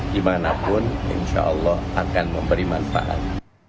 dimanapun insya allah akan memberi manfaat